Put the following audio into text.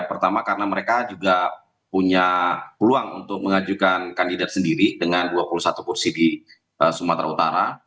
pertama karena mereka juga punya peluang untuk mengajukan kandidat sendiri dengan dua puluh satu kursi di sumatera utara